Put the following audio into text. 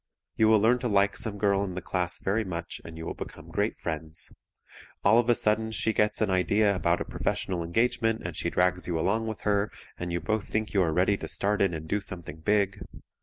You will learn to like some girl in the class very much and you will become great friends. All of a sudden she gets an idea about a professional engagement and she drags you along with her, and you both think you are ready to start in and do something big.